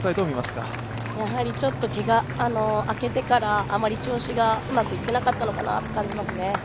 ちょっとけがが明けてからあまり調子がうまくいってなかったのかなと感じますね。